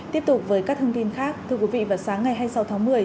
tiếp tục với các thông tin khác thưa quý vị vào sáng ngày hai mươi sáu tháng một mươi